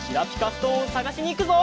ストーンをさがしにいくぞ！